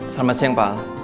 selamat siang pak